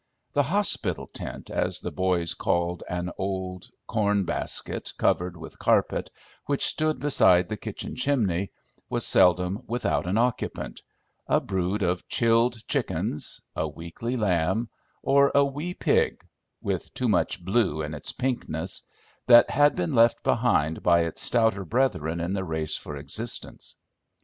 The "hospital tent," as the boys called an old corn basket, covered with carpet, which stood beside the kitchen chimney, was seldom without an occupant, a brood of chilled chickens, a weakly lamb, or a wee pig (with too much blue in its pinkness), that had been left behind by its stouter brethren in the race for existence.